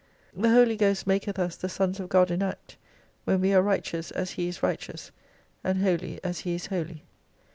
The Holy Ghost maketh us the Sons of God in act, when we are righteous as He is righteous, and Holy as He is holy.